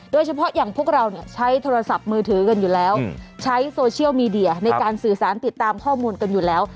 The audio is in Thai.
โดยเฉพาะอย่างพวกเราเนี่ยใช้โทรศัพท์มือถือกันอยู่แล้วใช้โซเชียลมีเดียในการสื่อสารติดตามข้อมูลกันอยู่แล้ว